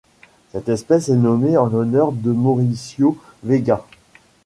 Cette espèce est nommée en l'honneur de Mauricio Vega.